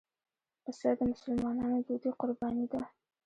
پسه د مسلمانانو دودي قرباني ده.